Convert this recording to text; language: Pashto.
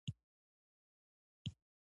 ایا زما میرمن به ښه شي؟